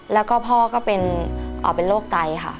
แล้วก็พ่อก็เป็นโรคไตค่ะ